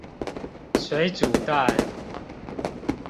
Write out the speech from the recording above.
水煮蛋